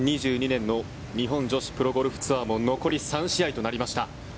２０２２年の日本女子プロゴルフツアーも残り３試合となりました。